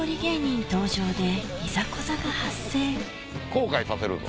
後悔させるぞ！